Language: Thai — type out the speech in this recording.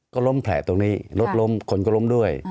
ก็ล้มแผลตรงนี้รถล้มคนก็ล้มด้วย